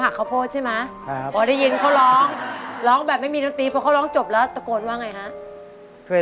รายการต่อไปนี้เป็นรายการทั่วไปสามารถรับชมได้ทุกวัย